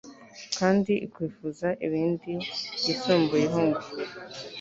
kandi ukifuza ibindi byisumbuyeho ngo